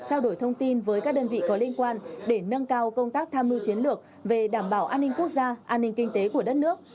trao đổi thông tin với các đơn vị có liên quan để nâng cao công tác tham mưu chiến lược về đảm bảo an ninh quốc gia an ninh kinh tế của đất nước